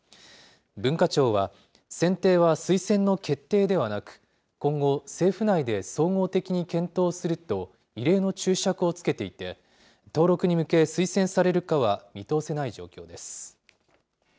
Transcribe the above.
文化庁は、選定は推薦の決定ではなく、今後、政府内で総合的に検討すると異例の注釈をつけていて、登録に向け、推薦されるかは見通せない状況です。